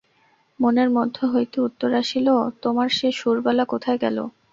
মনের মধ্য হইতে উত্তর আসিল, তোমার সে সুরবালা কোথায় গেল।